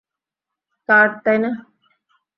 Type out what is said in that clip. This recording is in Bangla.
কার্ড, তাই না?